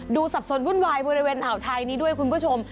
สับสนวุ่นวายบริเวณอ่าวไทยนี้ด้วยคุณผู้ชม